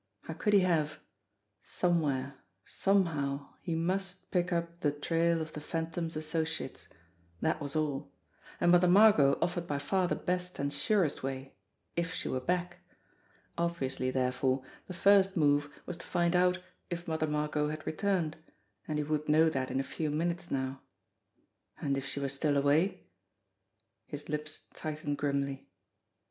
How could he have ? Somewhere, somehow, he must pick up the trail of the Phantom's associates. That was all. And Mother Margot offered by far the best and surest way if she were back. Obviously, therefore, the first move was to find out if Mother Margot had returned, and he would know that in a few minutes now. And if she were still away? His lips tightened grimly.